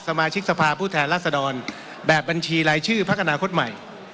สมาชิกสภาพผู้แทนรัศดรแบบบัญชีรายชื่อพักอนาคตใหม่